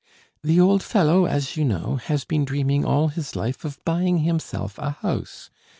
"The old fellow, as you know, has been dreaming all his life of buying himself a house....